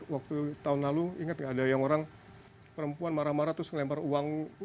waktu tahun lalu ingat gak ada yang orang perempuan marah marah terus ngelempar uang